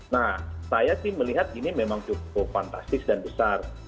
nah saya sih melihat ini memang cukup fantastis dan besar